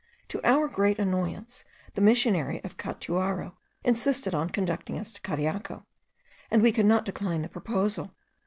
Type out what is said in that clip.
To our great annoyance, the missionary of Catuaro insisted on conducting us to Cariaco; and we could not decline the proposal.